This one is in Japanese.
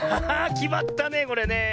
きまったねこれねえ。